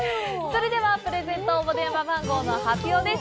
それではプレゼント応募電話番号の発表です。